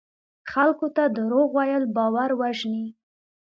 خلکو ته دروغ ویل باور وژني.